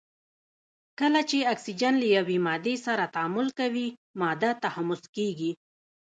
کله چې اکسیجن له یوې مادې سره تعامل کوي ماده تحمض کیږي.